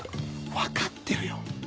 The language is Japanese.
分かってるよ。